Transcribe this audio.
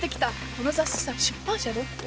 この雑誌さ出版社どこ？